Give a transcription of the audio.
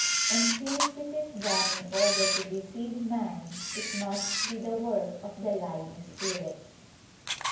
And since this is done in order to deceive man, it must be the work of the lying spirits."